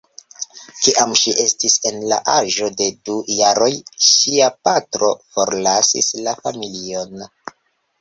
Kiam ŝi estis en la aĝo de du jaroj ŝia patro forlasis la familion.